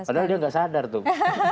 padahal dia nggak sadar tuh